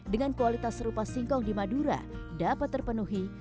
dengan kualitas serupa singkong di madura dapat terpenuhi